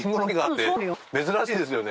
珍しいですよね。